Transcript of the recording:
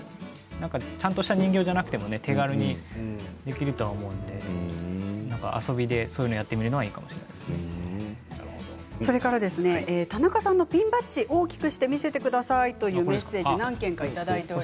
ちゃんとした人形じゃなくても手軽にできると思うので遊びでやってみると田中さんのピンバッジ大きくして見せてくださいというメッセージを何件かいただいています。